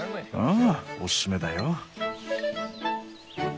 ああおすすめだよ。